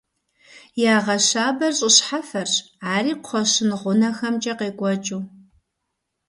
Ягъэщабэр щӏы щхьэфэрщ, ари кхъуэщын гъунэхэмкӏэ къекӏуэкӏыу.